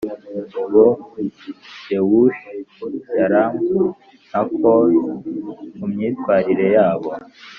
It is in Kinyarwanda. boYewushi Yalamu na Kora kumyitwarire yabo